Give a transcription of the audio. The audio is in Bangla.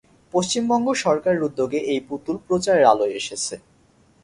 পশ্চিমবঙ্গ সরকারের উদ্যোগে এই পুতুল প্রচারের আলোয় এসেছে।